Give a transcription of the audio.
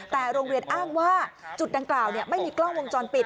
แต่โรงเรียนอ้างว่าจุดดังกล่าวไม่มีกล้องวงจรปิด